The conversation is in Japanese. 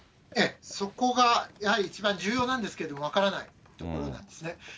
そこがやはり一番重要なんですけれども、分からないところなんですね。